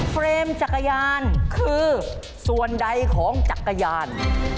เฟรมจักรยานคือส่วนใดของจักรยาน